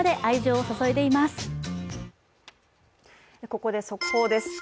ここで速報です。